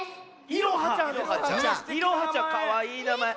いろはちゃんかわいいなまえ。